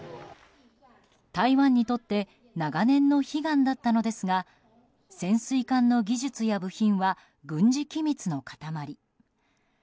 台湾にとって長年の悲願だったのですが潜水艦の技術や部品は軍事機密の塊。